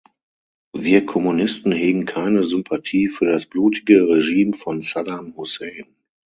Wir Kommunisten hegen keine Sympathie für das blutige Regime von Saddam Hussein.